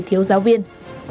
thiếu giáo viên